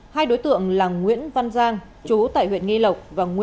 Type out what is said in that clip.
hai đối tượng là nguyễn văn giang chú tại huyện nghi lộc